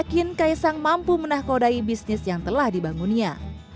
mungkin kai sang mampu menahkodai bisnis yang telah dibangunnya